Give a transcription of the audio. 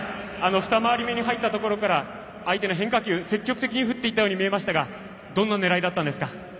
２回り目に入ったところから相手の変化球積極的に振っていったように見えましたがどんな狙いだったんですか？